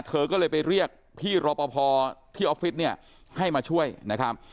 เธอก็เลยไปเรียกพี่รอปภที่ออฟฟิศเนี่ยให้มาช่วยนะครับ